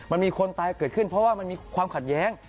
มันมีคนตายเกิดขึ้นเพราะว่ามันมีความขัดแย้ง